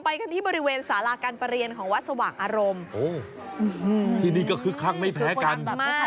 กันที่บริเวณสาราการประเรียนของวัดสว่างอารมณ์ที่นี่ก็คึกคักไม่แพ้กัน